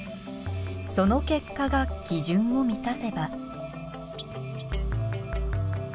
その結果が基準を満たせば。